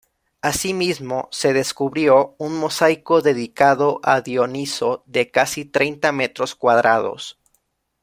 Asimismo se descubrió un mosaico dedicado a Dioniso de casi treinta metros cuadrados.